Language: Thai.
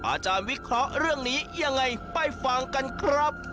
อาจารย์วิเคราะห์เรื่องนี้ยังไงไปฟังกันครับ